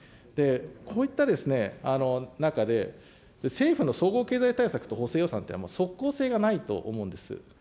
こういった中で、政府の総合経済対策と補正予算っていうのは即効性がないと思うんです。